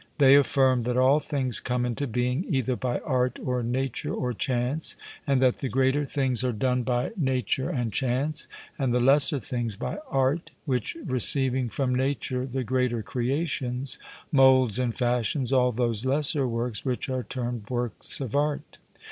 They affirm that all things come into being either by art or nature or chance, and that the greater things are done by nature and chance, and the lesser things by art, which receiving from nature the greater creations, moulds and fashions all those lesser works which are termed works of art.